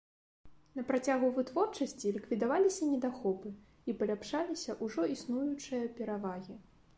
На працягу вытворчасці ліквідаваліся недахопы і паляпшаліся ўжо існуючыя перавагі.